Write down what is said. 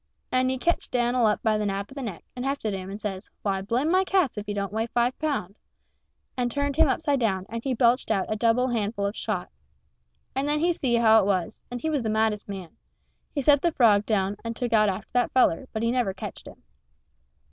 And he ketched Dan'l by the nap of the neck, and hefted him, and says, "Why, blame my cats if he don't weigh five pound!" and turned him upside down and he belched out a double handful of shot. And then he see how it was, and he was the maddest man he set the frog down and took out after that feller, but he never ketched him.